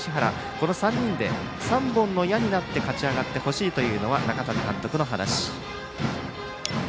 この３人で３本の矢になって勝ち上がってほしいというのは中谷監督の話。